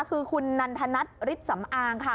คือคุณนันทนัทฤทธสำอางค่ะ